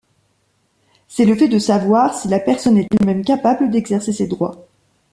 C'est le fait de savoir si la personne est elle-même capable d'exercer ses droits.